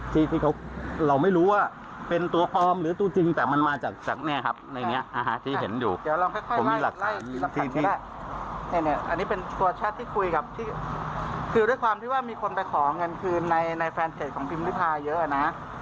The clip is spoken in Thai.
ทางครอบครัวนี้ก็เป็นหนึ่งในนั้นที่เข้าไปขอคืน